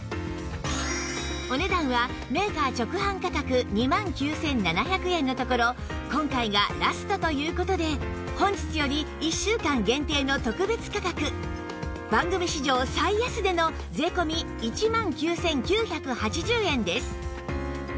お値段はメーカー直販価格２万９７００円のところ今回がラストという事で本日より１週間限定の特別価格番組史上最安値の税込１万９９８０円です